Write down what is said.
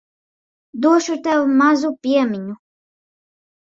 Došu tev mazu piemiņu.